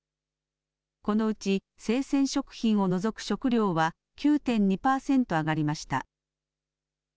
このうち生鮮食品を除く食料は９．２％上がりました。